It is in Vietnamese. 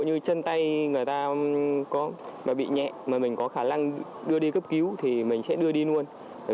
như chân tay người ta có là bị nhẹ mà mình có khả năng đưa đi cấp cứu thì mình sẽ đưa đi luôn bởi